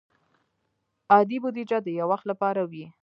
عادي بودیجه د یو وخت لپاره وي.